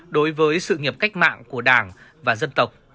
đối với sự nghiệp cách mạng của đảng và dân tộc